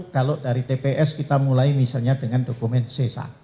kalau dari tps kita mulai misalnya dengan dokumen c satu